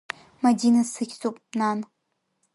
Мадина сыхьӡуп, нан.